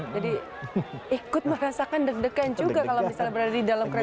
jadi ikut merasakan deg degan juga kalau misalnya berada di dalam kereta